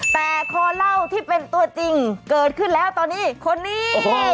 แต่คอเล่าที่เป็นตัวจริงเกิดขึ้นแล้วตอนนี้คนนี้